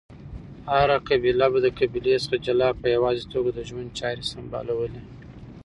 هره قبیله به د قبیلی څخه جلا په یواځی توګه ژوند چاری سمبالولی